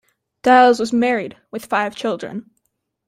Diels was married, with five children.